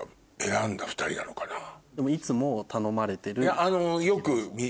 いつも頼まれてる。